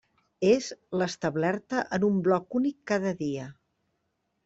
És l'establerta en un bloc únic cada dia.